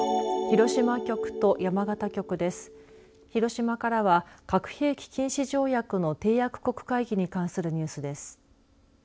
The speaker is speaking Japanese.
広島からは核兵器禁止条約の締約国会議に関するニュースです。